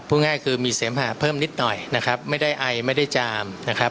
ง่ายคือมีเสมหาเพิ่มนิดหน่อยนะครับไม่ได้ไอไม่ได้จามนะครับ